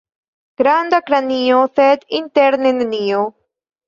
Granda kranio, sed interne nenio.